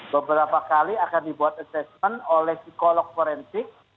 beberapa kali akan dibuat assessment oleh psikolog forensik